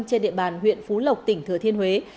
trên địa bàn huyện phú lộc tỉnh thừa thiên huế